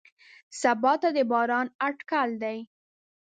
سبا ته د باران اټکل دی.